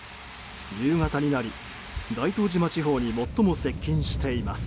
夕方になり、大東島地方に最も接近しています。